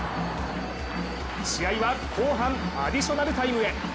試合は後半アディショナルタイムへ。